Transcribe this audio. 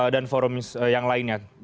dan forum yang lainnya